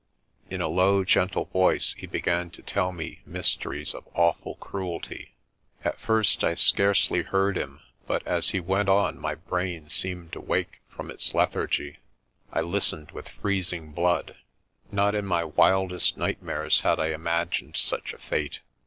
In a low gentle voice he began to tell me mysteries of awful cruelty. At first I scarcely heard him but as he went on my brain seemed to wake from its lethargy. I listened with freezing blood. Not in my mildest nightmares had I imagined such a fate.